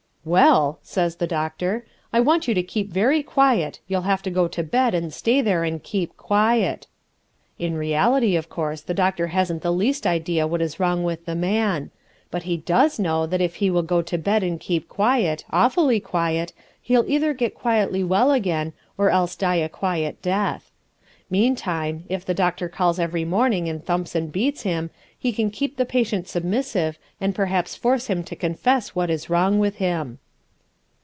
"Well," says the doctor, "I want you to keep very quiet; you'll have to go to bed and stay there and keep quiet." In reality, of course, the doctor hasn't the least idea what is wrong with the man; but he DOES know that if he will go to bed and keep quiet, awfully quiet, he'll either get quietly well again or else die a quiet death. Meantime, if the doctor calls every morning and thumps and beats him, he can keep the patient submissive and perhaps force him to confess what is wrong with him.